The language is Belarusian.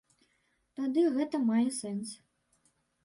Тады гэта мае сэнс.